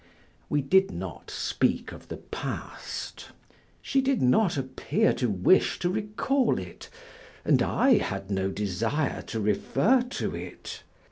We did not speak of the past. She did not appear to wish to recall it and I had no desire to refer to it.